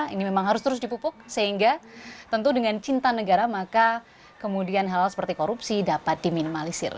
ini memang harus terus dipupuk sehingga tentu dengan cinta negara maka kemudian hal hal seperti korupsi dapat diminimalisir